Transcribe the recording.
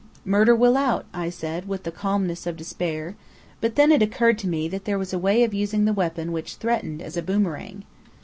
"Murder will out," I said, with the calmness of despair. But then it occurred to me that there was a way of using the weapon which threatened, as a boomerang.